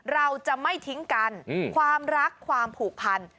เราจะไม่ทิ้งกันความรักความผูกพัน